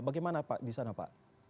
bagaimana pak di sana pak